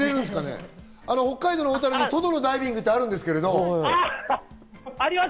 札幌の小樽ではトドのダイビングってあるんですけど。